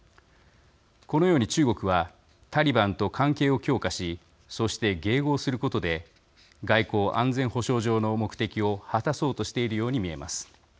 このように中国はタリバンと関係を強化しそして迎合することで外交・安全保障上の目的を果たそうとしているように見えます。